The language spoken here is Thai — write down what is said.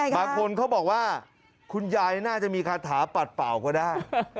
บางคนเขาบอกว่าคุณยายน่าจะมีคาถาปัดเป่าก็ได้